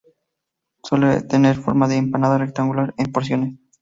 Suele tener forma de empanada rectangular, en porciones.